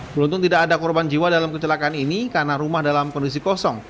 beruntung tidak ada korban jiwa dalam kecelakaan ini karena rumah dalam kondisi kosong